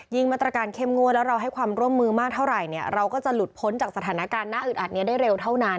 มาตรการเข้มงวดแล้วเราให้ความร่วมมือมากเท่าไหร่เนี่ยเราก็จะหลุดพ้นจากสถานการณ์หน้าอึดอัดนี้ได้เร็วเท่านั้น